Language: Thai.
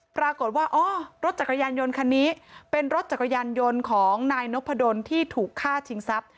ปรากฏว่ารถจักรวรรณอยลคันนี้เป็นรถจักรวรรณอยลของนายลพที่ถูกฆ่าชิงทรัพธ์